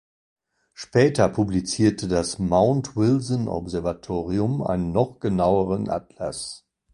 Später publizierte das Mount-Wilson-Observatorium einen noch genaueren Atlas.